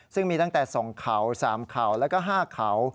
ซึ่งมีตั้งแต่๒เขา๓เขาแล้วก็๕เขา